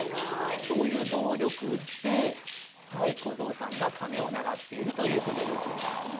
その力で小僧さんが鐘を鳴らしているという仕組みです。